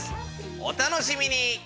お楽しみに。